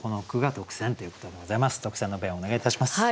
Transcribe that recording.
特選の弁をお願いいたします。